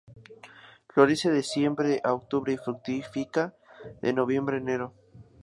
Florece de septiembre a octubre y fructifica de noviembre a enero.